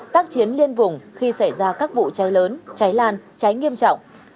tác chiến liên vùng khi xảy ra các vụ cháy lớn cháy lan cháy nghiêm trọng